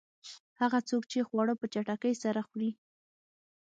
هغه څوک چې خواړه په چټکۍ سره خوري.